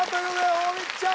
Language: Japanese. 大道ちゃん